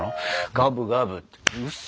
ガブガブってうそ！